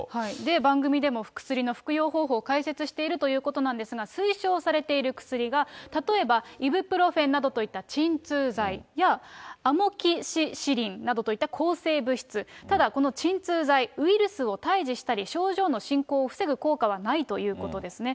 番組でも薬の服用方法を解説しているということなんですが、推奨されている薬が、例えば、イブプロフェンなどといった鎮痛剤やアモキシシリンなどといった、抗生物質、ただこの鎮痛剤、ウイルスを退治したり、症状の進行を防ぐ効果はないということですね。